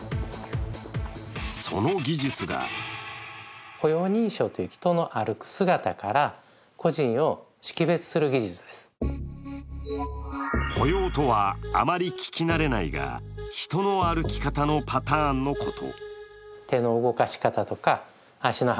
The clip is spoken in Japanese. その技術が歩容とはあまり聞き慣れないが人の歩き方のパターンのこと。